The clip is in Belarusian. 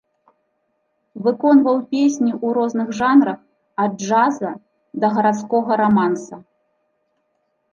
Выконваў песні ў розных жанрах ад джаза да гарадскога раманса.